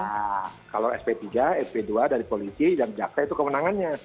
nah kalau sp tiga sp dua dari polisi dan jaksa itu kewenangannya